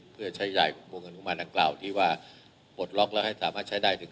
เพื่อใช้ใหญ่วงอนุมานดังกล่าวที่ว่าปลดล็อกแล้วให้สามารถใช้ได้ถึง